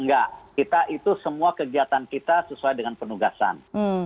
enggak kita itu semua kegiatan kita sesuai dengan penugasan